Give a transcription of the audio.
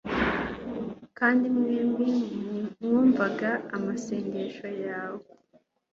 kandi mwembi muvanga amasengesho yawe